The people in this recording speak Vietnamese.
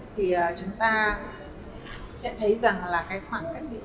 thì chúng ta sẽ thấy rằng là cái khoảng cách địa lý này